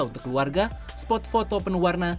untuk keluarga spot foto penuh warna